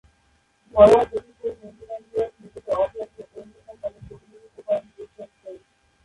ঘরোয়া প্রথম-শ্রেণীর নিউজিল্যান্ডীয় ক্রিকেটে অকল্যান্ড ও ওয়েলিংটন দলের প্রতিনিধিত্ব করেন রিচার্ড জোন্স।